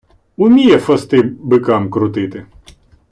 Уміє фости бикам крутити.